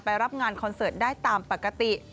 รับงานคอนเสิร์ตได้ตามปกติ